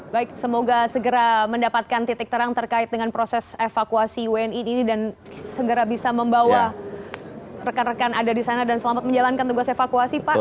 baik semoga segera mendapatkan titik terang terkait dengan proses evakuasi wni ini dan segera bisa membawa rekan rekan ada di sana dan selamat menjalankan tugas evakuasi pak